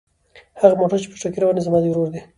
هغه موټر چې په چټکۍ روان دی زما د ورور دی.